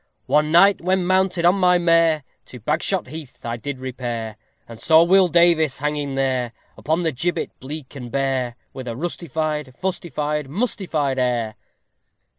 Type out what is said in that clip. One night, when mounted on my mare. To Bagshot Heath I did repair, And saw Will Davies hanging there, Upon the gibbet bleak and bare, _With a rustified, fustified, mustified air.